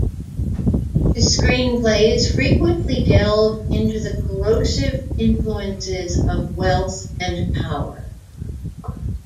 His screenplays frequently delved into the corrosive influences of wealth and power.